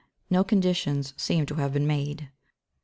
No conditions seem to have been made.